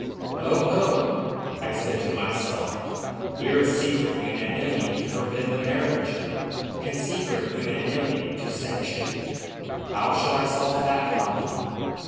"Oh, oh!" I said to myself, "here is secret unanimity to forbid the marriage, and secret unanimity to sanction it! How shall I solve that problem?"